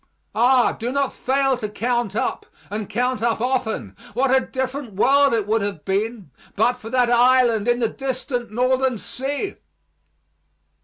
Ah, do not fail to count up, and count up often, what a different world it would have been but for that island in the distant northern sea!